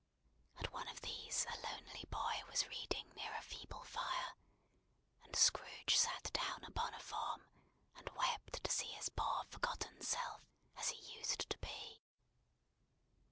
At one of these a lonely boy was reading near a feeble fire; and Scrooge sat down upon a form, and wept to see his poor forgotten self as he used to be.